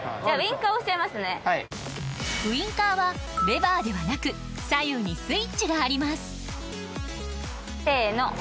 ウインカーはレバーではなく左右にスイッチがありますせの。